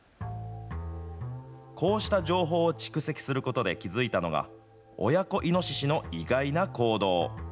こうした情報を蓄積することで気付いたのが、親子イノシシの意外な行動。